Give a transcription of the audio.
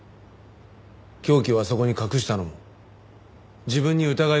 凶器をあそこに隠したのも自分に疑いを向けるため。